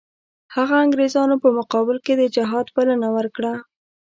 هغه انګریزانو په مقابل کې د جهاد بلنه ورکړه.